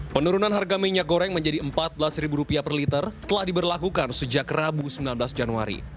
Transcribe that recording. penurunan harga minyak goreng menjadi rp empat belas per liter telah diberlakukan sejak rabu sembilan belas januari